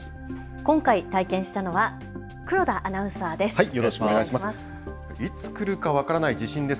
今回体験したのは黒田アナウンサーです。